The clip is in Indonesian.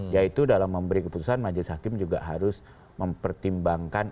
yaitu dalam memberi keputusan majelis hakim juga harus mempertimbangkan